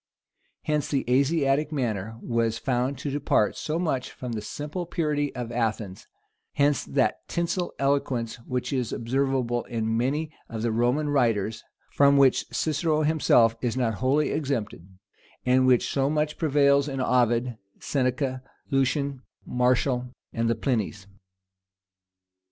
Hence the Asiatic manner was found to depart so much from the simple purity of Athens: hence that tinsel eloquence which is observable in many of the Roman writers, from which Cicero himself is not wholly exempted, and which so much prevails in Ovid, Seneca, Lucan, Martial, and the Plinys.